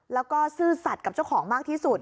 แล้วก็ซื่อสัตว์กับเจ้าของมากที่สุด